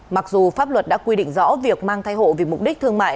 mặc dù pháp luật đã quy định rõ việc mang thai hộ vì mục đích thương mại